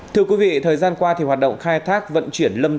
thưa quý vị thời gian qua hoạt động khai thác vận chuyển lâm xe